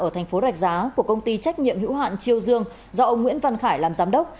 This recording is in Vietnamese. ở tp rạch giá của công ty trách nhiệm hữu hạn chiêu dương do ông nguyễn văn khải làm giám đốc